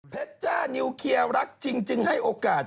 เพจจ่านิวเคียร์รักจริงให้โอกาส